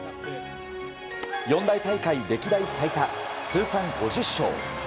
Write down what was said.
四大大会歴代最多通算５０勝。